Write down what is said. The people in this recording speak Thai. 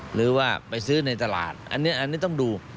หรือว่าไปซื้อในตลาดอันนี้ต้องดู